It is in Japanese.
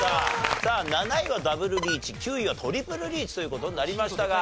さあ７位はダブルリーチ９位はトリプルリーチという事になりましたが。